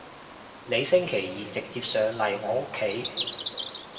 你星期二直接上嚟我屋企